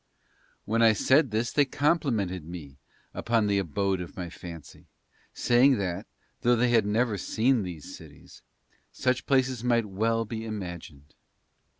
When I said this they complimented me upon the abode of my fancy, saying that, though they had never seen these cities, such places might well be imagined.